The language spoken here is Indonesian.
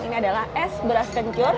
ini adalah es beras kencur